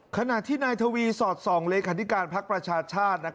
ขณะที่นายทวีสอดส่องเลขาธิการภักดิ์ประชาชาติ